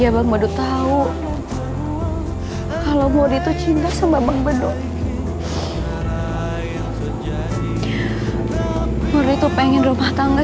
bang bedu juga selalu berdoa